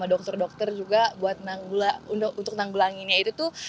dokter dokter juga untuk nanggulanginnya itu tuh